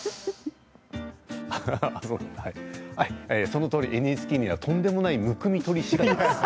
そのとおりＮＨＫにはとんでもないむくみ取り師がいます。